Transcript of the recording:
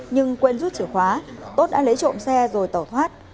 nhưng quên rút chìa khóa tốt đã lấy trộm xe rồi tẩu thoát